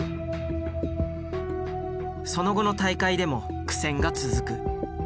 その後の大会でも苦戦が続く。